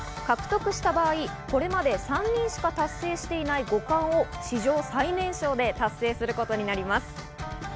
獲得した場合、これまで３人しか達成していない五冠を史上最年少で達成することになります。